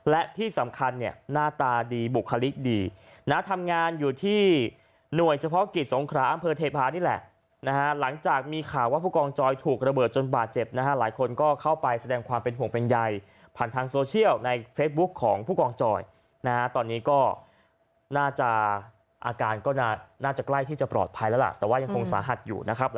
และที่สำคัญเนี่ยหน้าตาดีบุคลิกดีนะทำงานอยู่ที่หน่วยเฉพาะกิจสงคราอำเภอเทพานี่แหละนะฮะหลังจากมีข่าวว่าผู้กองจอยถูกระเบิดจนบาดเจ็บนะฮะหลายคนก็เข้าไปแสดงความเป็นห่วงเป็นใยผ่านทางโซเชียลในเฟซบุ๊คของผู้กองจอยนะฮะตอนนี้ก็น่าจะอาการก็น่าจะใกล้ที่จะปลอดภัยแล้วล่ะแต่ว่ายังคงสาหัสอยู่นะครับ